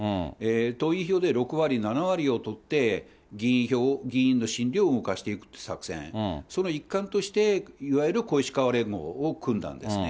党員票で６割、７割を取って、議員の心理を動かしていく作戦、その一環として、いわゆる小石河連合を組んだんですね。